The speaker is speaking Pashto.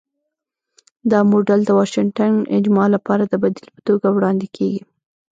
دا موډل د 'واشنګټن اجماع' لپاره د بدیل په توګه وړاندې کېږي.